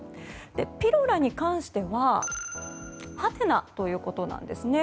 ピロラに関してははてなということなんですね。